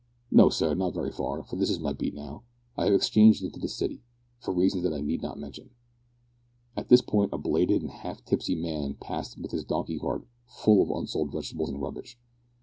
"No, sir, not very far, for this is my beat, now. I have exchanged into the city, for reasons that I need not mention." At this point a belated and half tipsy man passed with his donkey cart full of unsold vegetables and rubbish.